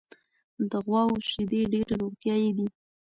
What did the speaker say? د غواوو شیدې ډېرې روغتیایي دي.